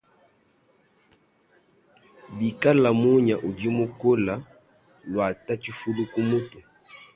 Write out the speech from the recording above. Bikale munya udi mukole, luata tshifuli ku mutu.